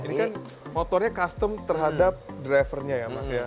ini kan motornya custom terhadap drivernya ya mas ya